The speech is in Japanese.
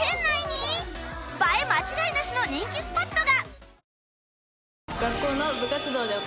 映え間違いなしの人気スポットが！